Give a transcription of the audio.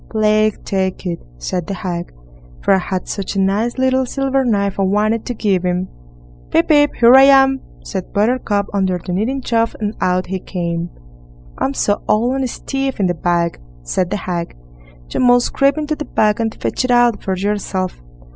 "Plague take it", said the hag, "for I had such a nice little silver knife I wanted to give him." "Pip, pip! here I am", said Buttercup under the kneading trough, and out he came. "I'm so old, and stiff in the back", said the hag, "you must creep into the bag and fetch it out for yourself."